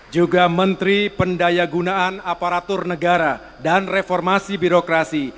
juga menteri pendaya gunaan aparatur negara dan reformasi birokrasi